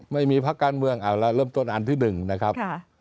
ไม่มีพักการเมืองเอาละเริ่มต้นอันที่๑นะครับ